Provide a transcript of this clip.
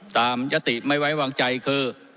ตามยศตีกไม่ไวไหววางใจคือ